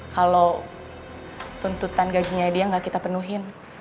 kalau tuntutan gajinya dia nggak kita penuhin